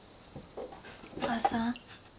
お母さん。